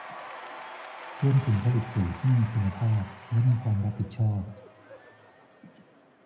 รวมถึงผลิตสื่อที่มีคุณภาพและมีความรับผิดชอบ